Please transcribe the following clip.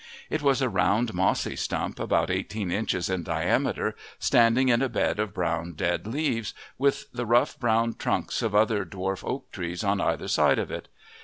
It was a round mossy stump, about eighteen inches in diameter, standing in a bed of brown dead leaves, with the rough brown trunks of other dwarf oak trees on either side of it.